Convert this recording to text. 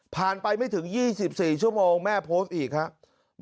ไปไม่ถึง๒๔ชั่วโมงแม่โพสต์อีกครับ